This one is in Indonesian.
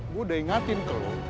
gue udah ingatin ke lo